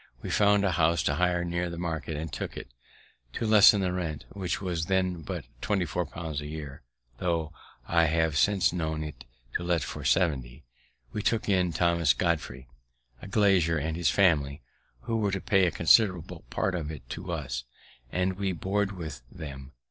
We found a house to hire near the market, and took it. To lessen the rent, which was then but twenty four pounds a year, tho' I have since known it to let for seventy, we took in Thomas Godfrey, a glazier, and his family, who were to pay a considerable part of it to us, and we to board with them.